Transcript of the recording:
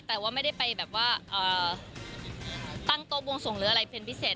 แต่ว่าไม่ได้ไปแบบว่าตั้งโต๊ะบวงสวงหรืออะไรเป็นพิเศษ